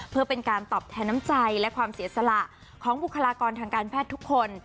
เพื่อเป็นการตอบแทนน้ำใจและความเสียสละของบุคลากรทางการแพทย์ทุกคน